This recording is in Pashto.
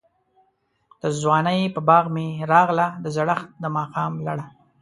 دځوانۍ په باغ می راغله، دزړښت دماښام لړه